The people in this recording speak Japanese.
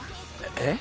えっ？